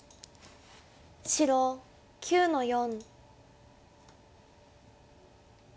白９の四。